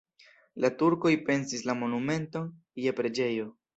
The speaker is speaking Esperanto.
La turkoj pensis la monumenton je preĝejo.